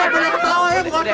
gue mau kongsi juga